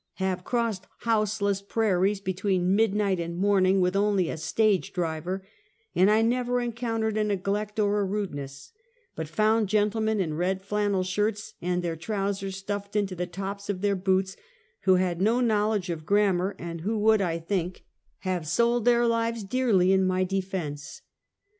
Have crossed house less prairies between midnight and morning, with only a stage driver, and I never encountered a neglect or a rudeness: but found gentlemen in red flannel shirts and their trowsers stuffed into the tops of their boots, who had no knowledge of grammar, and who would, I think, have sold their lives dearly in my defense.